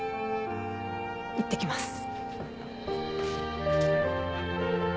いってきます。